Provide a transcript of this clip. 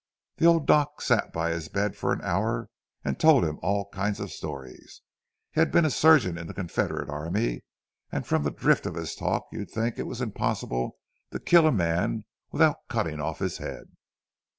The old Doc sat by his bed for an hour and told him all kinds of stories. He had been a surgeon in the Confederate army, and from the drift of his talk you'd think it was impossible to kill a man without cutting off his head.